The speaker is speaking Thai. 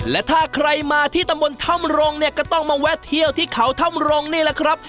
และถ้าใครมาที่ตำบลถ้ำรงเนี่ยก็ต้องมาแวะเที่ยวที่เขาถ้ำรงนี่แหละครับ